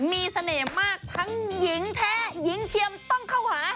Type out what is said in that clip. มีเสน่ห์มากทั้งหญิงแท้หญิงเทียมต้องเข้าหา